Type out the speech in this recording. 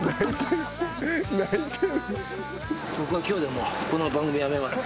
僕は今日でもうこの番組やめます。